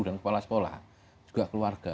dan kepala sekolah juga keluarga